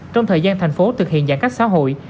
trong thời gian thành phố thực hiện giãn cách xã hội